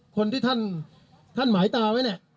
คนที่ท่านหมายตาไว้